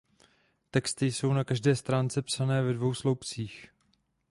Texty jsou na každé stránce psané ve dvou sloupcích.